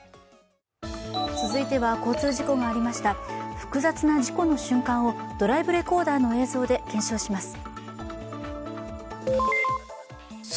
続いては、交通事故がありました複雑な事故の瞬間をドライブレコーダーの映像で検証します。